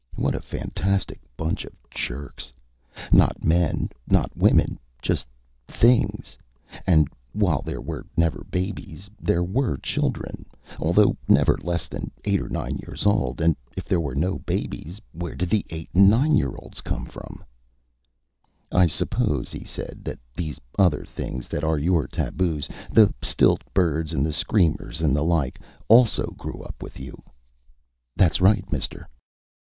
What a fantastic bunch of jerks! Not men, not women, just things. And while there were never babies, there were children, although never less than eight or nine years old. And if there were no babies, where did the eight and nine year olds come from? "I suppose," he said, "that these other things that are your taboos, the stilt birds and the screamers and the like, also grew up with you." "That is right, mister."